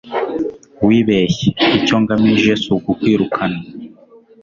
wibeshye icyo ngamije sukukwirukana